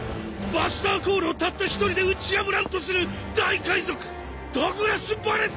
バスターコールをたった一人で打ち破らんとする大海賊ダグラス・バレット！